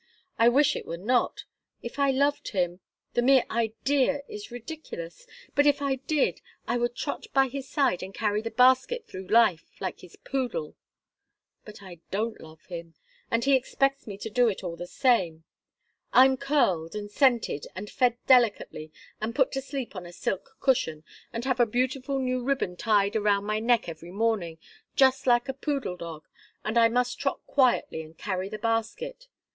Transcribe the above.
I wish it were not. If I loved him the mere idea is ridiculous! But if I did, I would trot by his side and carry the basket through life, like his poodle. But I don't love him and he expects me to do it all the same. I'm curled, and scented, and fed delicately, and put to sleep on a silk cushion, and have a beautiful new ribbon tied round my neck every morning, just like a poodle dog and I must trot quietly and carry the basket.